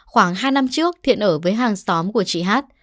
khoảng hai năm trước thiện ở với hàng xóm của chị hát